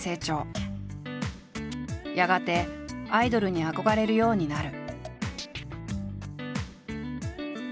やがてアイドルに憧れるようになる。